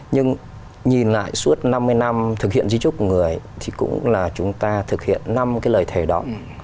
nhưng nhìn lại suốt năm mươi năm thực hiện di trúc của người thì cũng là chúng ta thực hiện năm cái lời thề đó